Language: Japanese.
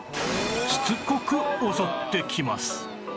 しつこく襲ってきます